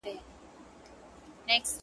په شپه کي ګرځي محتسب د بلاګانو سره-